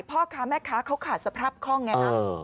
พ่อค้าแม่ค้าเขาขาดสภาพคล่องไงฮะ